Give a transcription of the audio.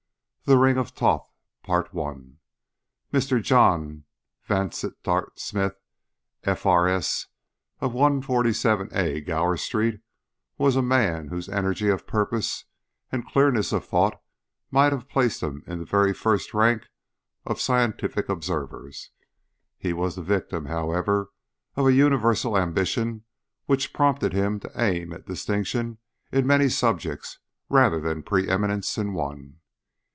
THE RING OF THOTH. Mr. John Vansittart Smith, F.R.S., of 147 A Gower Street, was a man whose energy of purpose and clearness of thought might have placed him in the very first rank of scientific observers. He was the victim, however, of a universal ambition which prompted him to aim at distinction in many subjects rather than preeminence in one.